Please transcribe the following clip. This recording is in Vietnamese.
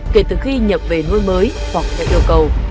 kể từ khi nhập về nuôi mới hoặc theo yêu cầu